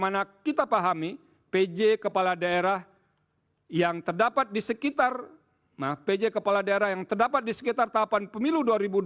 nah kita pahami pj kepala daerah yang terdapat di sekitar tahapan pemilu dua ribu dua puluh empat